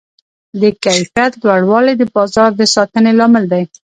د کیفیت لوړوالی د بازار د ساتنې لامل دی.